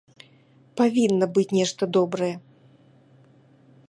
Павінна быць нешта добрае.